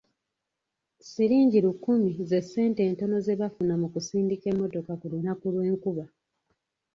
Siringi lukumu ze ssente entono ze bafuna mu kusindika emmotoka ku lunaku lw'enkuba.